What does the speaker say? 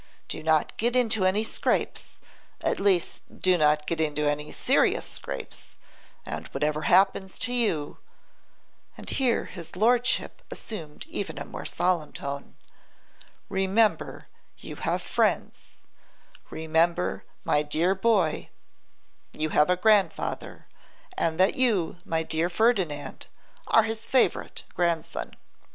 Do not get into any scrapes; at least, do not get into any serious scrapes; and whatever happens to you,' and here his lordship assumed even a solemn tone, 'remember you have friends; remember, my dear boy, you have a grandfather, and that you, my dear Ferdinand, are his favourite grandson.